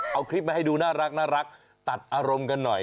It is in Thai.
เอาคลิปมาให้ดูน่ารักตัดอารมณ์กันหน่อย